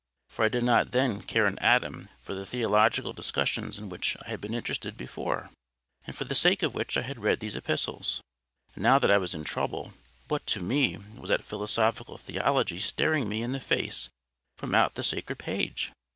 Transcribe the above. For I did not then care an atom for the theological discussions in which I had been interested before, and for the sake of which I had read those epistles. Now that I was in trouble, what to me was that philosophical theology staring me in the face from out the sacred page?